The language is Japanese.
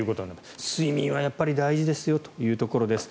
睡眠はやっぱり大事ですよというところです。